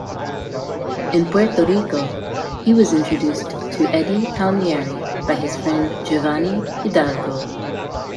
In Puerto Rico, he was introduced to Eddie Palmieri by his friend Giovanni Hidalgo.